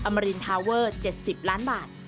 มารินทาเวอร์๗๐ล้านบาท